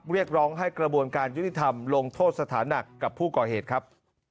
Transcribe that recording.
เรียกร้องให้กระบวนการยุติธรรมลงโทษสถานหนักกับผู้ก่อเหตุครับ